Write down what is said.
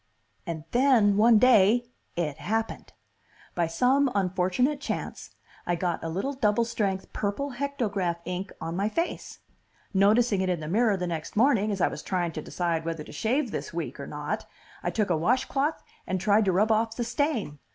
"And then, one day, it happened. By some unfortunate chance, I got a little double strength purple hectograph ink on my face. Noticing it in the mirror the next morning, as I was trying to decide whether to shave this week or not, I took a washcloth and tried to rub off the stain.